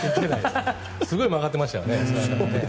すごい曲がってましたよね。